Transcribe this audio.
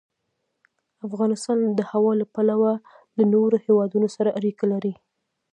افغانستان د هوا له پلوه له نورو هېوادونو سره اړیکې لري.